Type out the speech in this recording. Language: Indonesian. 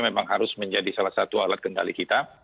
memang harus menjadi salah satu alat kendali kita